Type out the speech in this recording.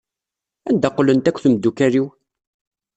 Anda qqlent akk temdukal-iw?